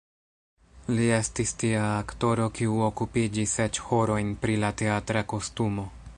Li estis tia aktoro, kiu okupiĝis eĉ horojn pri la teatra kostumo.